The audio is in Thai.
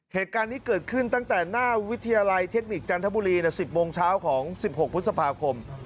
เหตุการณ์นี้เกิดขึ้นตั้งแต่หน้าวิทยาลัยเทคนิคจันทบุรี๑๐โมงเช้าของ๑๖พฤษภาคม